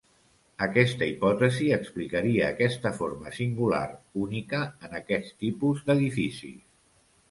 Aquesta hipòtesi explicaria aquesta forma singular, única en aquest tipus d'edificis.